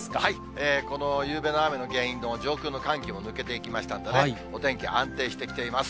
このゆうべの雨の原因の上空の寒気も抜けていきましたんでね、お天気、安定してきています。